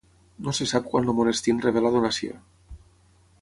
No se sap quan el monestir en rebé la donació.